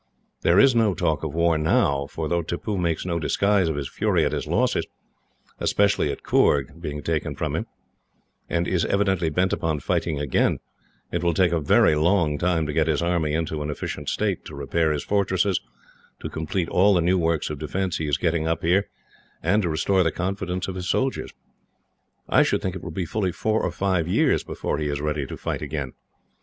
There is no talk of war now, for though Tippoo makes no disguise of his fury at his losses, especially at Coorg being taken from him, and is evidently bent upon fighting again, it will take a very long time to get his army into an efficient state, to repair his fortresses, to complete all the new works of defence he is getting up here, and to restore the confidence of his soldiers. "I should think it will be fully four or five years before he is ready to fight again.